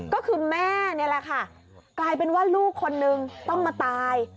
ก็คือแม่นี่แหละค่ะกลายเป็นว่าลูกคนนึงต้องมาตาย